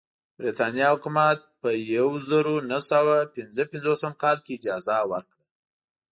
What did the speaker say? برېټانیا حکومت په یوه زرو نهه سوه پنځه پنځوسم کال کې اجازه ورکړه.